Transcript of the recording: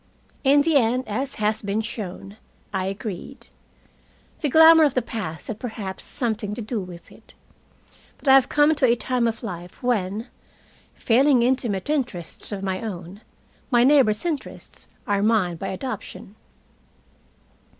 In the end, as has been shown, I agreed. The glamor of the past had perhaps something to do with it. But I have come to a time of life when, failing intimate interests of my own, my neighbors' interests are mine by adoption.